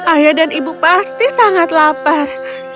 ayah dan ibu pasti sangat lapar